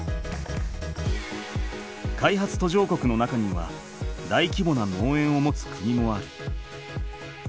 開発途上国の中にはだいきぼな農園を持つ国もある。